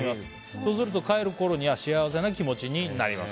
そうすると帰るころには幸せな気持ちになります。